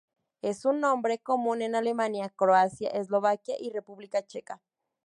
Es un nombre común en Alemania, Croacia, Eslovaquia y República Checa.